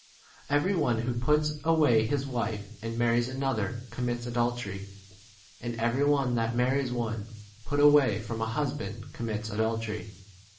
Every one who puts away his wife and marries another commits adul tery. And every one that marries one put away from a husband commits adultery.